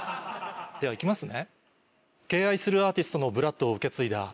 では行きますね。